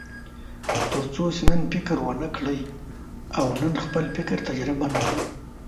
تر څو چې نن فکر ونه کړئ او نن خپل فکر تجربه نه کړئ.